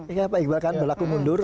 ingat pak iqbal kan berlaku mundur